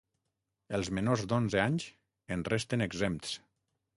Els menors d’onze anys en resten exempts.